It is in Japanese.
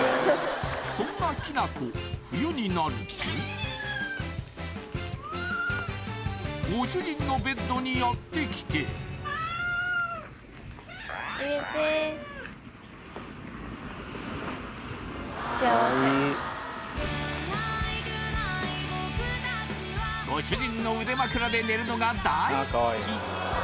そんなきなこ冬になるとご主人のベッドにやってきてご主人の腕枕で寝るのが大好き